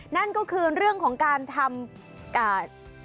นั่นก็คือเรื่องของการทำอ่า